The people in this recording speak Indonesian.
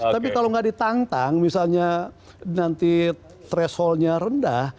tapi kalau nggak ditantang misalnya nanti thresholdnya rendah